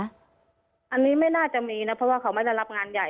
อันนี้ไม่น่าจะมีนะเพราะว่าเขาไม่ได้รับงานใหญ่